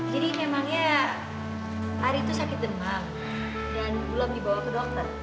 jadi memangnya ari tuh sakit demam dan belum dibawa ke dokter